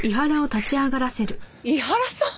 井原さん！？